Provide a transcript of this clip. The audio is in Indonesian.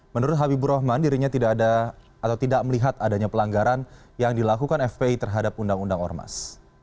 menurut habibur rohman dirinya tidak melihat adanya pelanggaran yang dilakukan fpi terhadap undang undang ormas